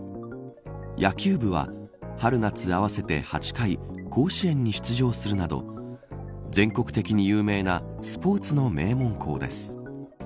野球部は春夏合わせて８回甲子園に出場するなど全国的に有名なスポーツの名門校です。